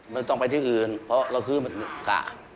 ไม่ต้องไปที่อื่นเพราะเราคือมันกะ